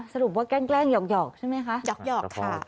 สรุปว่าแกล้งหยอกใช่ไหมคะหยอกค่ะ